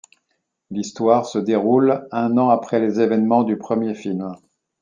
L'histoire se déroule un an après les évènements du premier film.